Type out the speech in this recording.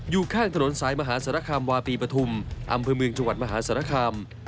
อยู่ข้างถนนสายมหาสารคามวาปีปฐุมอำเภอเมืองจังหวัดมหาสารคาม